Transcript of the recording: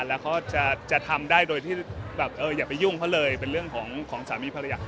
แล้วเขาจะทำได้โดยที่แบบอย่าไปยุ่งเขาเลยเป็นเรื่องของสามีภรรยา